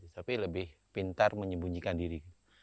tapi lebih pintar menyembunyikan diri